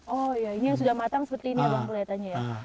oh ya ini yang sudah matang seperti ini ya bang kelihatannya ya